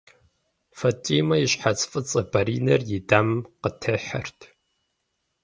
Фатимэ и щхьэц фӏыцӏэ бэринэр и дамэм къытехьэрт.